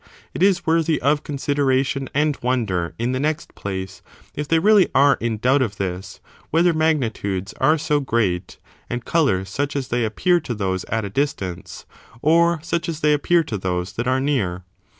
It is worthy of consideration and wonder, in the next place, if they really are in doubt of this, whether mag nitudes are so great, and colours such as they appear to those at a distance, or such as they appear to those that are near?